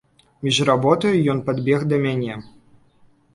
Між работаю ён падбег да мяне.